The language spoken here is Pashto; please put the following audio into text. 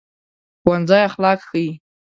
ښوونځی اخلاق ښيي